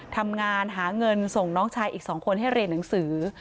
ทำงานหาเงินส่งน้องชายอีก๒คนให้เรียนหนังสือ